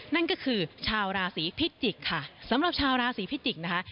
นั่นก็คือชาวราศีพิจิกค่ะสำหรับชาวราศีพิจิกษ์นะคะ